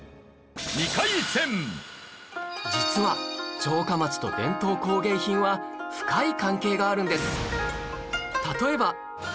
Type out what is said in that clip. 実は城下町と伝統工芸品は深い関係があるんです